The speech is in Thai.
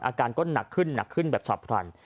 อาการก็หนักขึ้นแบบสับผลัน